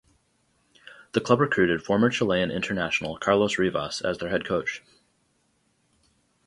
The club recruited former Chilean international Carlos Rivas as their head coach.